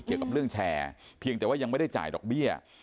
เกี่ยวกับเรื่องแชร์เพียงแต่ว่ายังไม่ได้จ่ายดอกเบี้ย